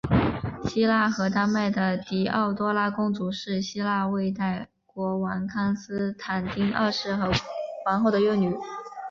希腊和丹麦的狄奥多拉公主是希腊未代国王康斯坦丁二世和王后的幼女。